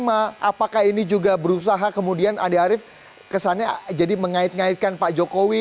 apakah ini juga berusaha kemudian andi arief kesannya jadi mengait ngaitkan pak jokowi